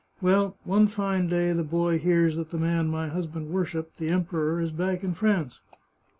Well, one fine day the boy hears that the man my husband worshipped, the Emperor, is back in France.